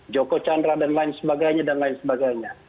joko chandra dan lain sebagainya dan lain sebagainya